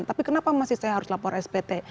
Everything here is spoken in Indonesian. tapi kenapa masih saya harus lapor spt